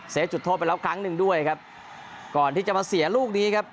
จุดโทษไปแล้วครั้งหนึ่งด้วยครับก่อนที่จะมาเสียลูกนี้ครับ